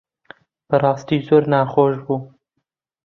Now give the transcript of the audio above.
بەڕاستی زۆر ناخۆش بوو.